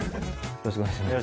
よろしくお願いします